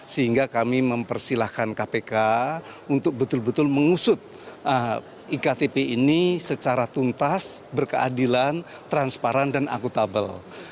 sehingga kami mempersilahkan kpk untuk betul betul mengusut iktp ini secara tuntas berkeadilan transparan dan akutabel